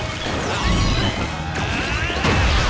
ああ！